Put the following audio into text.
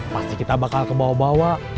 pasti kita bakal kebawa bawa